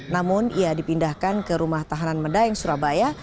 namun ia dipindahkan ke rumah tahanan medaeng surabaya